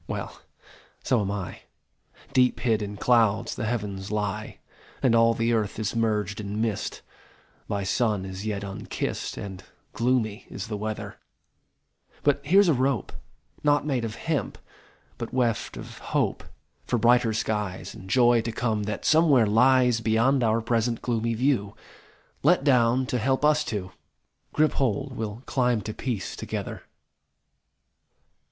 Well, so am I. Deep hid in clouds the Heavens lie, And all the earth is merged in mist By sun as yet unkist, And gloomy is the weather But here s a rope, Not made of hemp, but weft of Hope For brighter skies, And joy to come that somewhere lies Beyond our present gloomy view, Let down to help us two ! Grip hold! We ll climb to peace together!